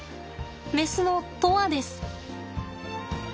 メスの砥愛です。